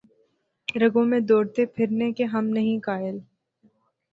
رگوں میں دوڑتے پھرنے کے ہم نہیں قائل